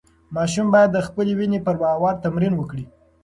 ماشوم باید د خپلې وینې پر باور تمرین وکړي.